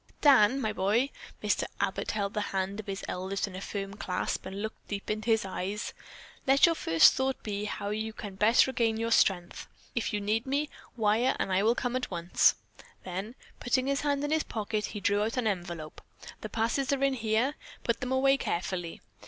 "Dan, my boy," Mr. Abbott held the hand of his eldest in a firm clasp and looked deep into his eyes, "let your first thought be how best you can regain your strength. If you need me, wire and I will come at once." Then putting his hand in his pocket, he drew out an envelope. "The passes are in here. Put them away carefully."